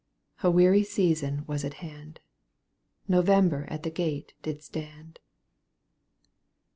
A weary season was at hand — November at' the gate did stand.